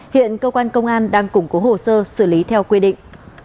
hiện cơ quan công an đang củng cố hồ sơ xử lý theo quy định